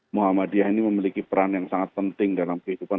muhammadiyah ini memiliki peran yang sangat penting dalam kehidupan